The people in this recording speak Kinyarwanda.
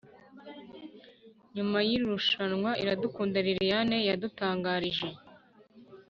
nyuma y'irushanwa iradukunda liliane yadutangarije